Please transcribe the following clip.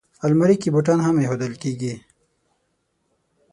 الماري کې بوټان هم ایښودل کېږي